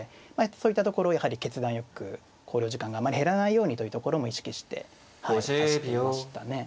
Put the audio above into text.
そういったところをやはり決断よく考慮時間があまり減らないようにというところも意識して指していましたね。